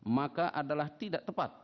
maka adalah tidak tepat